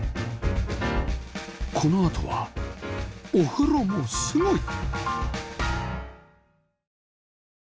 このあとはお風呂もすごい